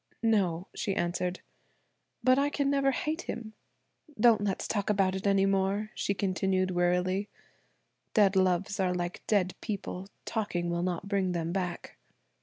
"No," she answered. "But I can never hate him. Don't let's talk about it any more," she continued wearily. "Dead loves are like dead people–talking will not bring them back."